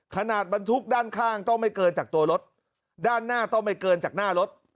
บรรทุกด้านข้างต้องไม่เกินจากตัวรถด้านหน้าต้องไม่เกินจากหน้ารถ